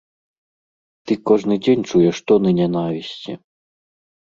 Ты кожны дзень чуеш тоны нянавісці.